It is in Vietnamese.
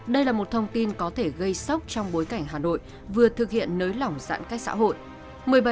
đây là một thông tin có thể gây sốc trong bối cảnh hà nội vừa thực hiện nới lỏng giãn cách xã hội